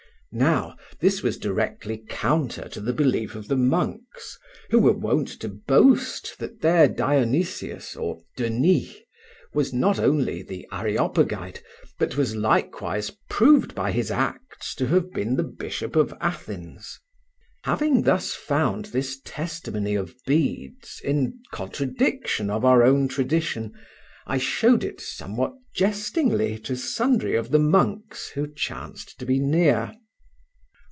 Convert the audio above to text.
Now, this was directly counter to the belief of the monks, who were wont to boast that their Dionysius, or Denis, was not only the Areopagite but was likewise proved by his acts to have been the Bishop of Athens. Having thus found this testimony of Bede's in contradiction of our own tradition, I showed it somewhat jestingly to sundry of the monks who chanced to be near.